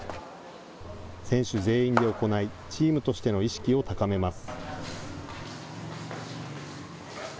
選手全員で行い、チームとしての意識を高めます。